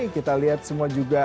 kita lihat semua juga